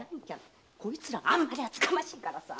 こいつらあんまりあつかましいからさあ。